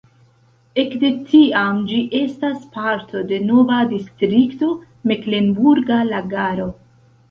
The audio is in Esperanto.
Ekde tiam ĝi estas parto de nova distrikto Meklenburga Lagaro.